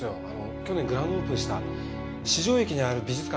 去年グランドオープンした四条駅にある美術館